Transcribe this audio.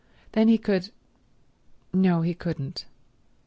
Then he could—no, he couldn't.